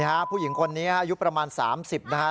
นี่ฮะผู้หญิงคนนี้ยุคประมาณ๓๐นะฮะ